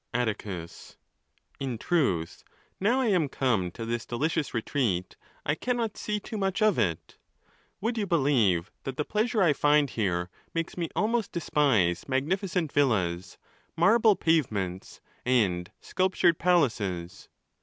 Aiticus.—In truth, now Iam come to this delicious retreat, I cannot see too much of it. Would you believe, that the pleasure I find here makes me almost despise magnificent villas, marble pavements, and sculptured palaces?